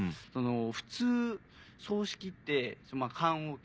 普通葬式って棺おけ。